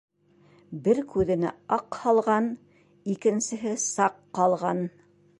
Бер күҙенә аҡ һалған, икенсеһе саҡ ҡалған.